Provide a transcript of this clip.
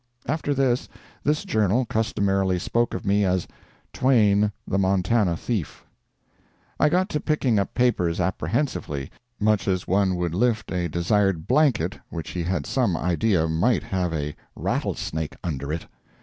[After this, this journal customarily spoke of me as "Twain, the Montana Thief."] I got to picking up papers apprehensively—much as one would lift a desired blanket which he had some idea might have a rattlesnake under it.